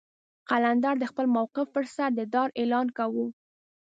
قلندر د خپل موقف پر سر د دار اعلان کاوه.